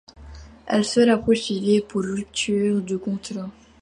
Elle sera poursuivie pour rupture de contrat.